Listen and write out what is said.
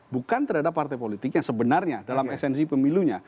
bukan terhadap partai politik yang sebenarnya dalam esensi pemilunya